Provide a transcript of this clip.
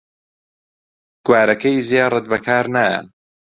گوارەکەی زێڕت بەکار نایە